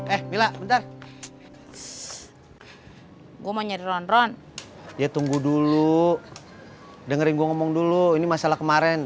eh mila udah gue mau nyari ron ron ya tunggu dulu dengerin gue ngomong dulu ini masalah kemarin